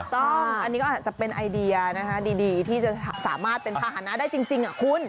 ต้องอันนี้ก็อาจจะเป็นไอเดียนะคะดีที่จะสามารถเป็นภาษณะได้จริงคุณ